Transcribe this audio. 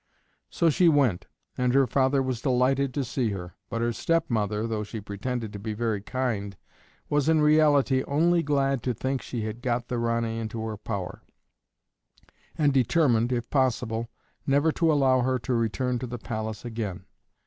So she went, and her father was delighted to see her; but her stepmother, though she pretended to be very kind, was in reality only glad to think she had got the Ranee into her power, and determined, if possible, never to allow her to return to the palace again.